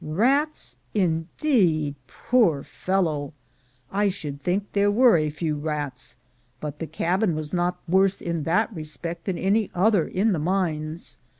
Rats, indeed! poor fellow! I should think there were a few rats, but the cabin was not worse in that respect than any other in the mines.